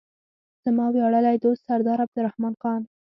زما ویاړلی دوست سردار عبدالرحمن خان.